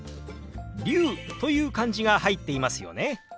龍という漢字が入っていますよね。